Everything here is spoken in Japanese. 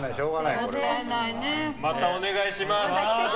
またお願いします。